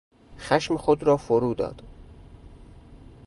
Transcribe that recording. خشم خود را فرو داد.